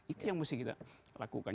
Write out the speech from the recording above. itu yang mesti kita lakukan